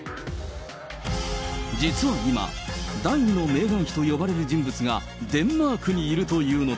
実は今、第２のメーガン妃と呼ばれる人物が、デンマークにいるというのだ。